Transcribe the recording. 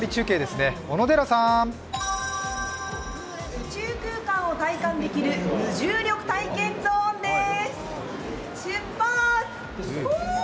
宇宙空間を体感できる無重力体験ゾーンです、出発！